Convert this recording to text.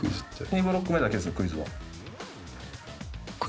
Ｂブロック目だけですクイズは。